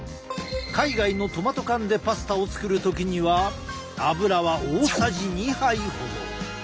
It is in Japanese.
海外のトマト缶でパスタを作る時には油は大さじ２杯ほど。